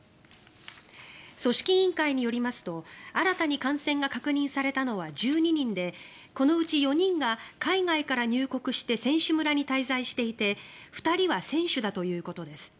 組織委員会によりますと新たに感染が確認されたのは１２人でこのうち４人が海外から入国して選手村に滞在していて２人は選手だということです。